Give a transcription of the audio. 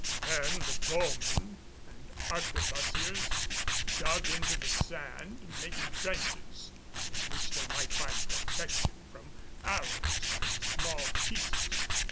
Then the bowmen and arquebusiers dug into the sand, making trenches in which they might find protection from arrows and small pieces.